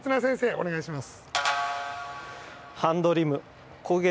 お願いします。